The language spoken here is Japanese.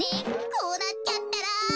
こうなっちゃったら。